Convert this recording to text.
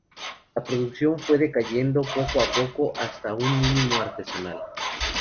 La producción fue decayendo poco a poco hasta un mínimo artesanal.